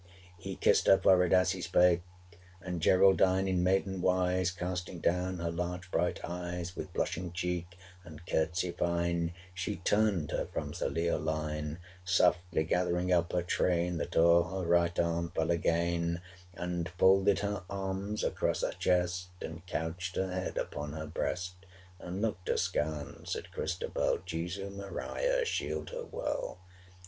He kissed her forehead as he spake, And Geraldine in maiden wise Casting down her large bright eyes, With blushing cheek and courtesy fine 575 She turned her from Sir Leoline; Softly gathering up her train, That o'er her right arm fell again; And folded her arms across her chest, And couched her head upon her breast, 580 And looked askance at Christabel Jesu, Maria, shield her well!